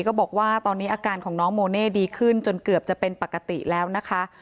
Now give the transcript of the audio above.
ก็บอกว่าตอนนี้อาการของน้องโมเน่ดีขึ้นจนเกือบจะเป็นปกติแล้วนะคะ